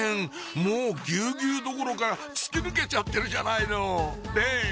もうギュウギュウどころか突き抜けちゃってるじゃないの！ねぇ！